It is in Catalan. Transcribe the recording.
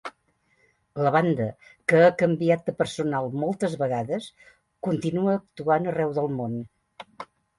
La banda, que ha canviat de personal moltes vegades, continua actuant arreu del món.